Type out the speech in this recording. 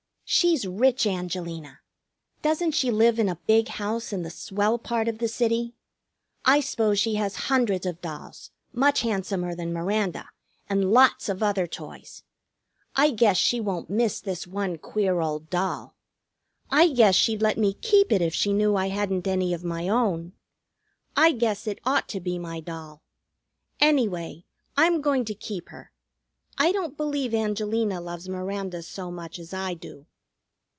"She's rich Angelina. Doesn't she live in a big house in the swell part of the city? I s'pose she has hundreds of dolls, much handsomer than Miranda, and lots of other toys. I guess she won't miss this one queer old doll. I guess she'd let me keep it if she knew I hadn't any of my own. I guess it ought to be my doll. Anyway, I'm going to keep her. I don't believe Angelina loves Miranda so much as I do."